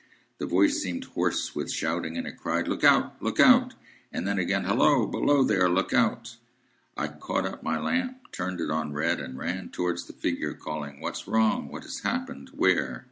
The voice seemed hoarse with shouting, and it cried, 'Look out! Look out!' And then again, 'Halloa! Below there! Look out!' I caught up my lamp, turned it on red, and ran towards the figure, calling, 'What's wrong? What has happened? Where?